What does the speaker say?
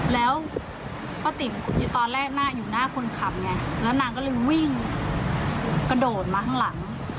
แล้วป้าติ๋มตอนแรกนางอยู่หน้าคนขับไงแล้วนางก็เลยวิ่งกระโดดมาข้างหลัง